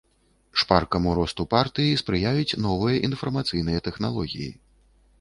Шпаркаму росту партыі спрыяюць новыя інфармацыйныя тэхналогіі.